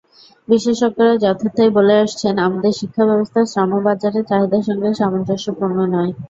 বিশেষজ্ঞরা যথার্থই বলে আসছেন, আমাদের শিক্ষাব্যবস্থা শ্রমবাজারের চাহিদার সঙ্গে সামঞ্জস্যপূর্ণ নয়।